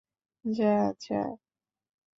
যা, যা!